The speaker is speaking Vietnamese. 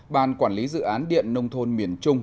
ban quản lý dự án điện nông thôn miền trung